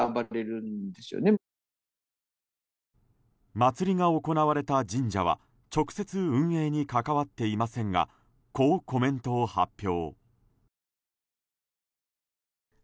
祭りが行われた神社は直接運営に関わっていませんがこうコメントを発表。